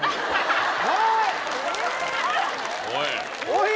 おい！